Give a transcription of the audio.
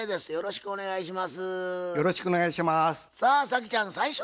よろしくお願いします。